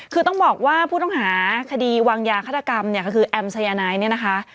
คือต้องบอกว่าผู้ต้องหาคดีวางยาฆาตกรรมเนี่ยก็คือแอมสายนายเนี่ยนะคะ